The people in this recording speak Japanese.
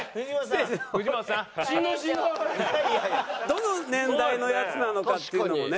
どの年代のやつなのかっていうのもね。